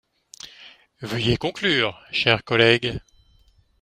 Veuillez conclure, cher collègue.